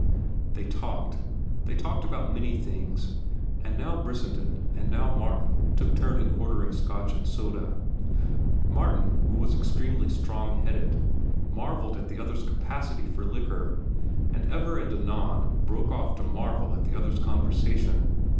They talked. They talked about many things, and now Brissenden and now Martin took turn in ordering Scotch and soda. Martin, who was extremely strong headed, marvelled at the other's capacity for liquor, and ever and anon broke off to marvel at the other's conversation.